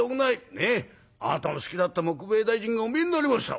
ねえあなたの好きだった杢兵衛大尽がお見えになりました。